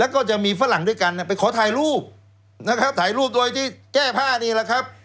แล้วก็จะมีฝรั่งด้วยกันไปขอถ่ายรูปนะครับถ่ายรูปโดยที่แก้ผ้านี่แหละครับ